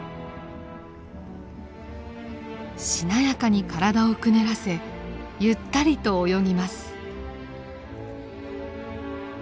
しなやかに体をくねらせゆったりと泳ぎます。